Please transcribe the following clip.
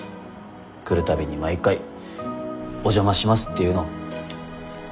来るたびに毎回「お邪魔します」って言うの。